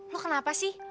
lo kenapa sih